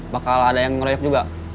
bakal ada yang ngeroyok juga